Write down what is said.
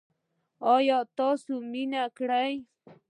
ایا تاسو مینه کړې؟